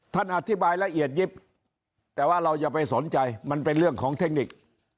ท่านอธิบายละเอียดยิบแต่ว่าเราอย่าไปสนใจมันเป็นเรื่องของเทคนิค